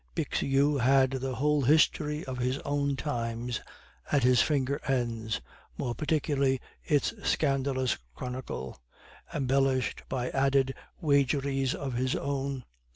Bixiou had the whole history of his own times at his finger ends, more particularly its scandalous chronicle, embellished by added waggeries of his own.